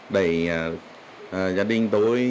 đẩy gia đình tôi